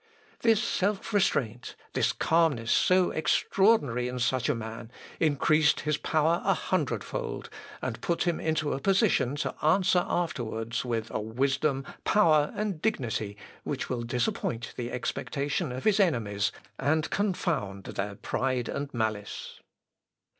This self restraint, this calmness, so extraordinary in such a man, increased his power a hundred fold, and put him into a position to answer afterwards with a wisdom, power, and dignity which will disappoint the expectation of his enemies, and confound their pride and malice.